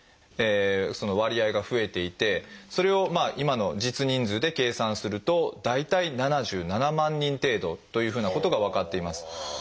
その割合が増えていてそれを今の実人数で計算すると大体７７万人程度というふうなことが分かっています。